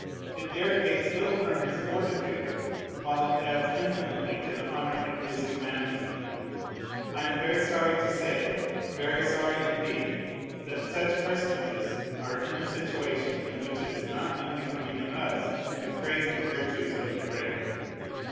It derogates little from his fortitude, while it adds infinitely to the honor of his humanity. I am very sorry to say it, very sorry indeed, that such personages are in a situation in which it is not unbecoming in us to praise the virtues of the great.